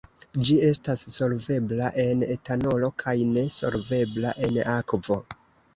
Ĝi estas solvebla en etanolo kaj ne solvebla en akvo.